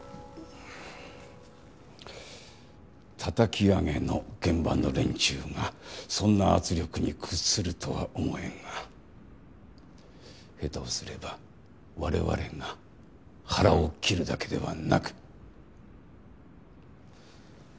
叩き上げの現場の連中がそんな圧力に屈するとは思えんが下手をすれば我々が腹を切るだけではなく。